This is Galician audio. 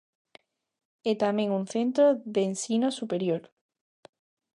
É tamén un centro de ensino superior.